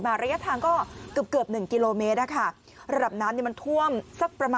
มาระยะทางก็เกือบ๑กิโลเมตร